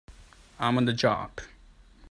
I'm on the job!